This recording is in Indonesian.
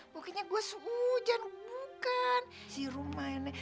pokoknya gue sehujan hubungkan si rumah ini